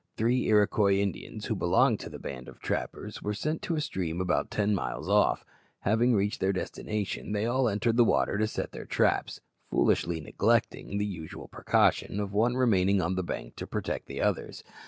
Three Iroquois Indians, who belonged to the band of trappers, were sent to a stream about ten miles off. Having reached their destination, they all entered the water to set their traps, foolishly neglecting the usual precaution of one remaining on the bank to protect the others.